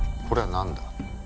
これは何だ？